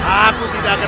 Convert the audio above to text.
aku tidak akan